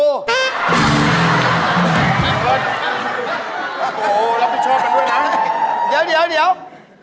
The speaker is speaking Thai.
ราคาไม่แพง